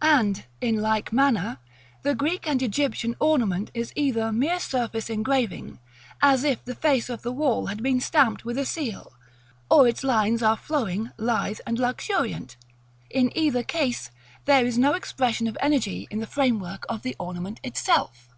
And, in like manner, the Greek and Egyptian ornament is either mere surface engraving, as if the face of the wall had been stamped with a seal, or its lines are flowing, lithe, and luxuriant; in either case, there is no expression of energy in framework of the ornament itself.